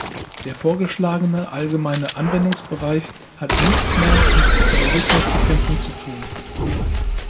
Der vorgeschlagene allgemeine Anwendungsbereich hat nichts mehr mit Terrorismusbekämpfung zu tun.